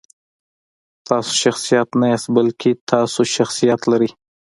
تاسو شخصیت نه یاستئ، بلکې تاسو شخصیت لرئ.